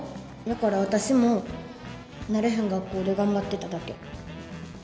だから私も慣れへん学校で頑張ってただけ。